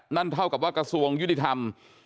นั่นเท่ากับว่ากระทรวงยุติธรรม